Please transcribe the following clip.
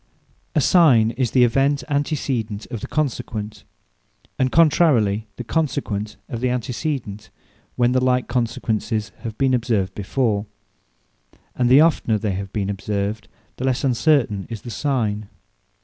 Signes A Signe, is the Event Antecedent, of the Consequent; and contrarily, the Consequent of the Antecedent, when the like Consequences have been observed, before: And the oftner they have been observed, the lesse uncertain is the Signe.